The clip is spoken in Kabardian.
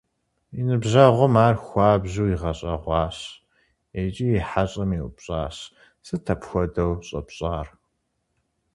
И ныбжьэгъум ар хуабжьу игъэщӀэгъуащ икӀи и хьэщӀэм еупщӀащ: - Сыт апхуэдэу щӀэпщӀар?